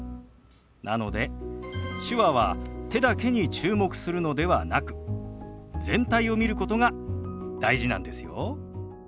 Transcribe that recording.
なので手話は手だけに注目するのではなく全体を見ることが大事なんですよ。